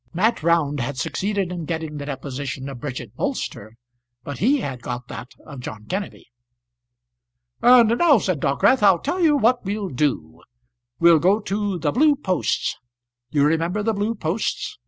Mat Round had succeeded in getting the deposition of Bridget Bolster, but he had got that of John Kenneby. "And now," said Dockwrath, "I'll tell you what we'll do; we'll go to the Blue Posts you remember the Blue Posts?